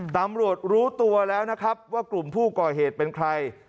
ตำรวจรู้ตัวแล้วนะครับว่ากลุ่มผู้ก่อเหตุเป็นใคร